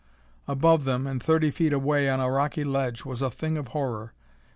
Above them and thirty feet away on a rocky ledge was a thing of horror.